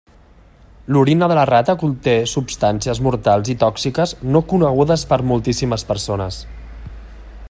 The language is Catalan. L'orina de rata conté substàncies mortals i tòxiques no conegudes per moltíssimes persones.